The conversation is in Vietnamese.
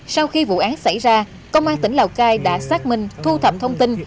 sau khi vụ án xảy ra công an tỉnh lào cai đã xác minh thu thập thông tin